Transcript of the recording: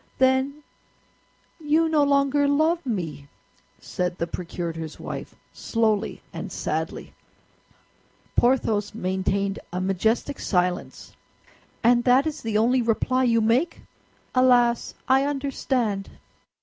"Then you no longer love me!" said the procurator's wife, slowly and sadly. Porthos maintained a majestic silence. "And that is the only reply you make? Alas, I understand."